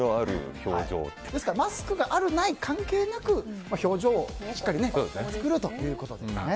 マスクがあるない関係なく表情をしっかり作るということですね。